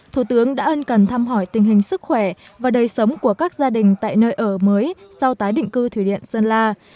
thủ tướng đã ân cần thăm hỏi tình hình sức khỏe và đời sống của các gia đình tại nơi ở mới sau tái định cư thủy điện sơn la